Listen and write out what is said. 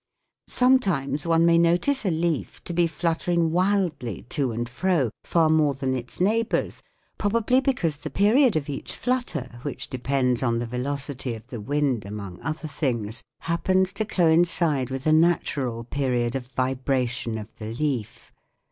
Sometimes one may notice a leaf to be fluttering wildly to and fro, far more than its neighbours, probably because the period of each flutter, which depends on the velocity of the wind among other things, happens to coincide with a natural period of vibration of the leaf.